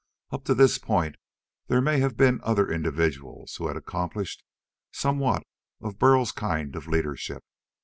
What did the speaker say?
Up to this point, there may have been other individuals who had accomplished somewhat of Burl's kind of leadership.